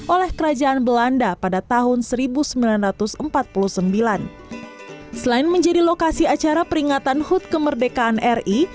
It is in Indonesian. oleh kerajaan belanda pada tahun seribu sembilan ratus empat puluh sembilan selain menjadi lokasi acara peringatan hut kemerdekaan ri